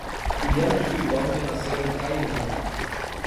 Yan Shuilong nasceu em Tainan